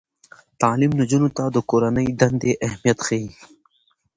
تعلیم نجونو ته د کورنۍ دندې اهمیت ښيي.